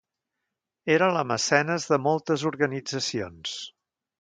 Era la mecenes de moltes organitzacions.